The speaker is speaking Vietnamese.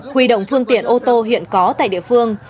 huy động phương tiện ô tô hiện có tại địa phương